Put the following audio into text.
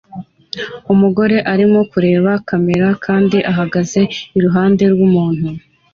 Umugore arimo kureba kamera kandi ahagaze iruhande rwumuntu